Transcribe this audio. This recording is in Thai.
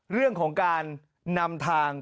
เรื่องของการนำทาง